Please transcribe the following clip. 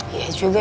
iya juga ya pap